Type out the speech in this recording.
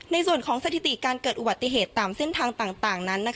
ในส่วนของสถิติการเกิดอุบัติเหตุตามเส้นทางต่างนั้น